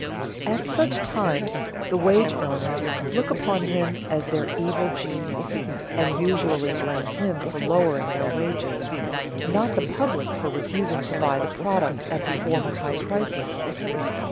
At such times the wage earners look upon him as their evil genius, and usually blame him for lowering their wages, not the public for refusing to buy the product at the former high prices.